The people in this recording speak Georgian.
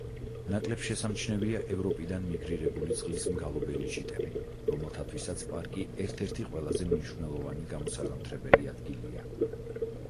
ნაკლებ შესამჩნევია ევროპიდან მიგრირებული წყლის მგალობელი ჩიტები, რომელთათვისაც პარკი ერთ-ერთი ყველაზე მნიშვნელოვანი გამოსაზამთრებელი ადგილია.